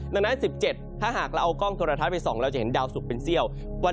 ดังนั้น๑๗ถ้าหากเราเอากล้องตรฐานไป๒เราจะเห็นดาวสุกเป็นเสี้ยว